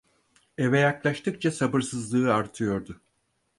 Eve yaklaştıkça sabırsızlığı artıyordu.